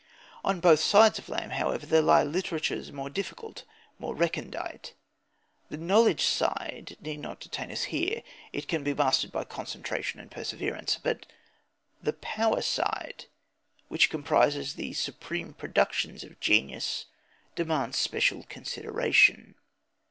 On both sides of Lamb, however, there lie literatures more difficult, more recondite. The "knowledge" side need not detain us here; it can be mastered by concentration and perseverance. But the "power" side, which comprises the supreme productions of genius, demands special consideration.